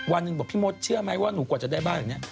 วันนึงบอกพี่มดเชื่อมั้ยว่าหนูกว่าจะได้บ้านแบบนี้